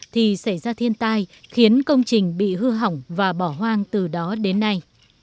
thì xảy ra thiên tai khiến công trình bị hư hỏng và bỏ hoang từ đó đến nay